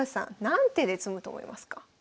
何手で詰むと思いますか？